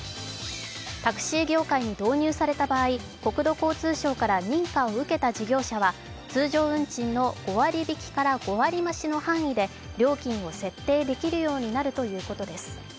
タクシー業界に導入された場合国土交通省から認可を受けた業者は通常運賃の５割引きから５割増しの範囲で料金を設定できるようになるということです。